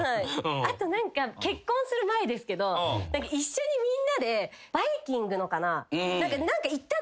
あと何か結婚する前ですけど一緒にみんなで『バイキング』のかな。